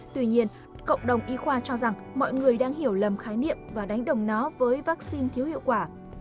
tuy nhiên cộng đồng y khoa cho rằng mọi người đang hiểu lầm khái niệm và đánh đồng nó với vaccine thiếu hiệu quả